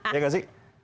iya gak sih